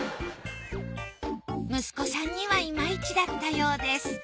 息子さんには今いちだったようです。